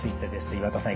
岩田さん